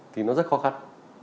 thì nó rất khó khăn